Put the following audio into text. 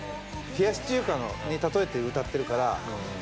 冷やし中華に例えて歌ってるから。